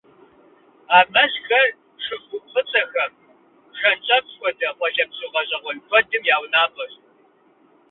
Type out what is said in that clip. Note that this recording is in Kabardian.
А мазхэр жыгыуӀу фӀыцӀэхэм, бжэнщӀэф хуэдэ къуалэбзу гъэщӀэгъуэн куэдым я унапӏэщ.